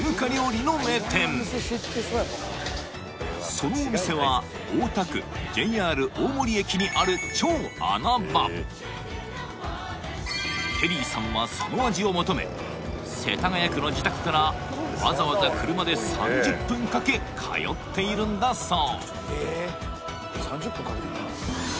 そのお店は大田区ＪＲ大森駅にある超穴場テリーさんはその味を求め世田谷区の自宅からわざわざ車で３０分かけ通っているんだそう